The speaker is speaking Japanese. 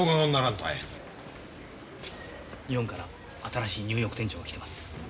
日本から新しいニューヨーク店長が来てます。